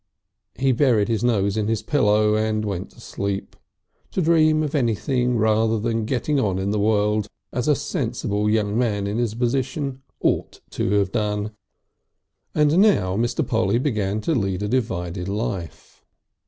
He buried his nose in his pillow and went to sleep to dream of anything rather than getting on in the world, as a sensible young man in his position ought to have done. V And now Mr. Polly began to lead a divided life.